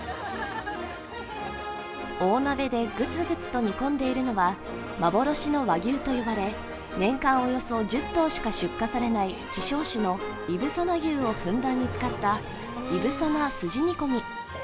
大鍋でグツグツと煮込んでいるのは幻の和牛と言われ年間およそ１０頭しか出荷されない希少種のいぶさな牛をふんだんに使ったいぶさなすじ煮込み。